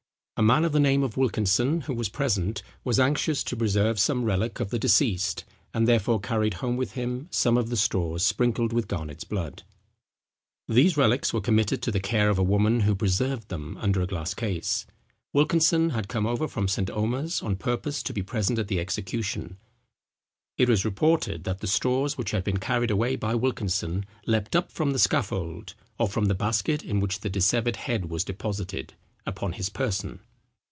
A man of the name of Wilkinson, who was present, was anxious to preserve some relic of the deceased, and therefore carried home with him some of the straws sprinkled with Garnet's blood. These relics were committed to the care of a woman, who preserved them under a glass case. Wilkinson had come over from St. Omer's on purpose to be present at the execution. It was reported, that the straws which had been carried away by Wilkinson leaped up from the scaffold, or from the basket in which the dissevered head was deposited, upon his person.